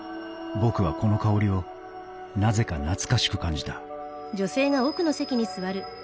僕はこの香りをなぜか懐かしく感じた